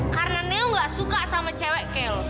karena nio gak suka sama cewek kayak lo